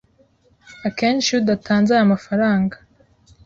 Akenshi iyo udatanze aya mafaranga,